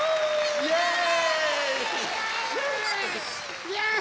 イエーイ！